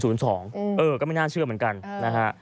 ก็ไม่น่าเชื่อเหมือนกันนะฮะ